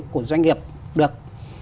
của doanh nghiệp được